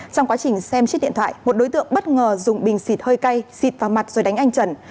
trong quá trình xem chiếc điện thoại một đối tượng bất ngờ dùng bình xịt hơi cay xịt vào mặt rồi đánh anh trần